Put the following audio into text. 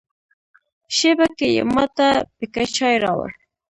شېبه کې یې ما ته پیکه چای راوړ.